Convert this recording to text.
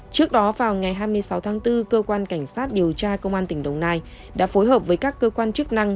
trước đó vào ngày hai mươi sáu tháng bốn cơ quan cảnh sát điều tra công an tỉnh đồng nai đã phối hợp với các cơ quan chức năng